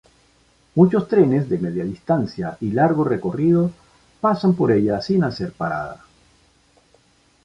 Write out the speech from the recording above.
Muchos trenes de Media Distancia y largo recorrido pasan por ella sin hacer parada.